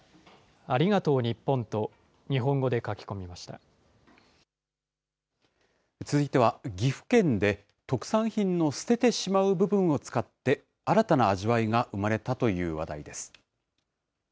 ありがとう、続いては、岐阜県で特産品の捨ててしまう部分を使って、新たな味わいが生まれたという話題です。